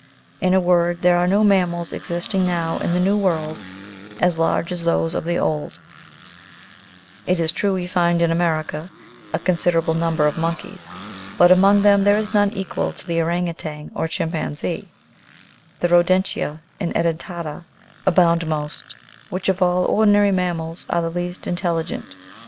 In a word, there are no mammals existing now in the New World as large as those of the old ; it is true, we find, in America, a consider able number of monkeys, but among them there is none equal to the ourang outang, or chimpanzee ; the roden'tia and edenta'ta abound most, which, of all ordinary mammals, are the least intel ligent.